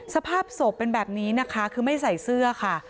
สภาพศพเป็นแบบนี้นะคะคือไม่ใส่เสื้อค่ะ